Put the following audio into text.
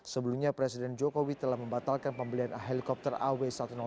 sebelumnya presiden jokowi telah membatalkan pembelian helikopter aw satu ratus dua